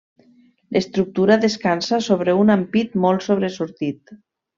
L'estructura descansa sobre un ampit molt sobresortit.